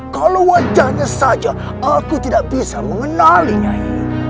kalau wajahnya saja aku tidak bisa mengenali nyai